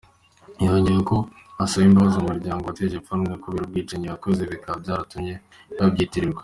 Yongeyeho ko asaba imbabazi umuryango we yateje ipfunwe kubera ubwicanyi yakoze, bikaba byaratumye babyitirirwa.